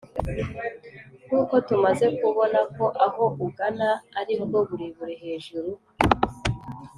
nkuko tumaze kubona ko aho ugana aribwo burebure hejuru ...